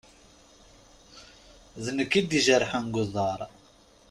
D nekk i d-ijerḥen g uḍaṛ.